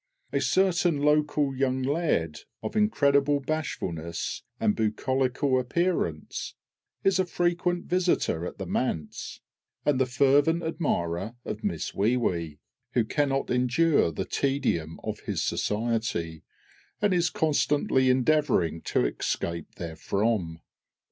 "] A certain local young laird, of incredible bashfulness and bucolical appearance, is a frequent visitor at the manse, and the fervent admirer of Miss WEE WEE, who cannot endure the tedium of his society, and is constantly endeavouring to escape therefrom.